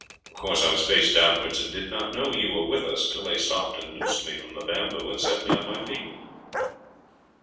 Of course I was face downwards, and did not know you were with us till they stopped and loosed me from the bamboo and set me on my feet."